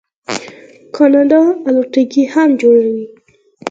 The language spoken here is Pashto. کاناډا الوتکې هم جوړوي.